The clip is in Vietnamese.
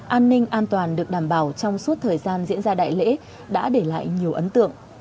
an ninh an toàn được đảm bảo trong suốt thời gian diễn ra đại lễ đã để lại nhiều ấn tượng